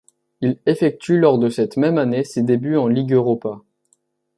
Il effectue lors de cette même année ses débuts en Ligue Europa.